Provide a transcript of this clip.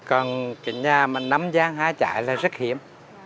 còn cái nhà mà nắm giang hái chải là rất hiếm